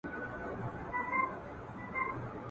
یو کړي ځان ستړی د ژوند پر لاره `